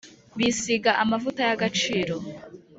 bisiga amavuta y’agaciro,